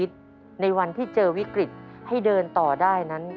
ในวันที่เจอวิกฤตให้เดินต่อได้นั้น